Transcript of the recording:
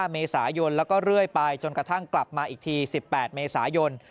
เมษายนแล้วก็เรื่อยไปจนกระทั่งกลับมาอีกที๑๘เมษายน